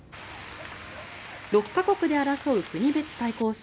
６か国で争う国別対抗戦。